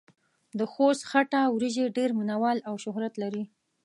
دخوست خټه وريژې ډېر مينه وال او شهرت لري.